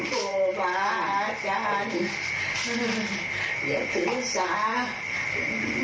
โหบาจารย์อย่าถึงสาว